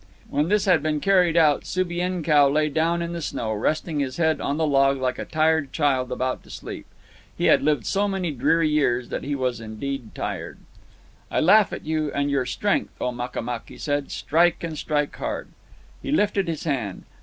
When this had been carried out, Subienkow lay down in the snow, resting his head on the log like a tired child about to sleep. He had lived so many dreary years that he was indeed tired. "I laugh at you and your strength, O Makamuk," he said. "Strike, and strike hard." He lifted his hand.